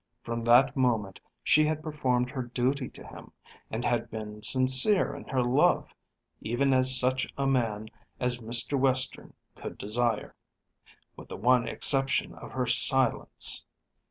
From that moment she had performed her duty to him, and had been sincere in her love, even as such a man as Mr. Western could desire, with the one exception of her silence.